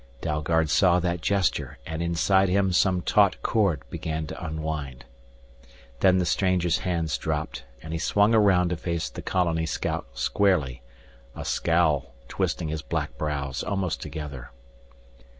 Dalgard saw that gesture and inside him some taut cord began to unwind. Then the stranger's hands dropped, and he swung around to face the colony scout squarely, a scowl twisting his black brows almost together.